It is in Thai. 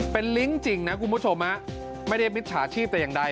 เป็นลิงก์จริงนะคุณผู้ชมไม่ได้มิจฉาชีพแต่อย่างใด